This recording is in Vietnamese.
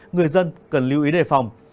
người dân cần lưu ý đề phòng